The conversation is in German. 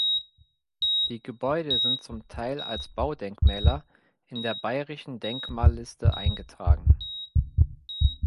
Die Gebäude sind zum Teil als Baudenkmäler in der Bayerischen Denkmalliste eingetragen.